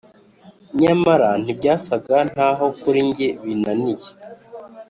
nyamara ntibyasaga naho kuri njye binaniye;